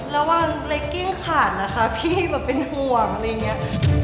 ระวังเล็กกิ้งขาดนะคะพี่แบบเป็นห่วงอะไรอย่างนี้